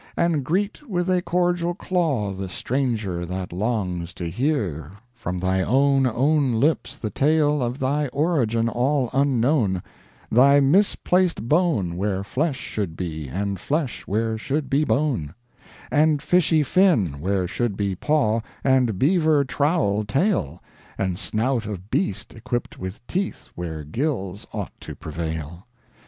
And greet with a cordial claw The stranger that longs to hear "From thy own own lips the tale Of thy origin all unknown: Thy misplaced bone where flesh should be And flesh where should be bone; "And fishy fin where should be paw, And beaver trowel tail, And snout of beast equip'd with teeth Where gills ought to prevail.